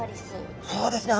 そうですね